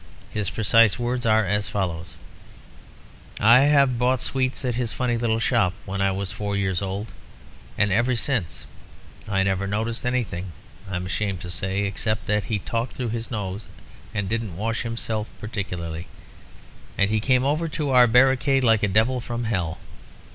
His precise words are as follows: 'I have bought sweets at his funny little shop when I was four years old, and ever since. I never noticed anything, I am ashamed to say, except that he talked through his nose, and didn't wash himself particularly. And he came over our barricade like a devil from hell.'